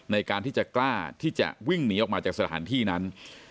ในการที่จะกล้าที่จะวิ่งหนีออกมาจากสถานที่นั้น